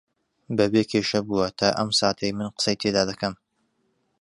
بەبێ کێشە بووە تا ئەم ساتەی من قسەی تێدا دەکەم